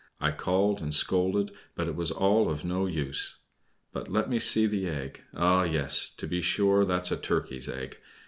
I called and scolded, but it was all of no use. But let me see the egg ah, yes! to be sure, that is a turkey's egg.